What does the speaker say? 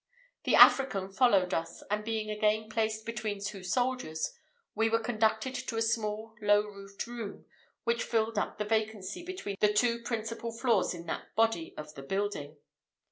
The African followed us; and being again placed between two soldiers, we were conducted to a small low roofed room, which filled up the vacancy between the two principal floors in that body of the building.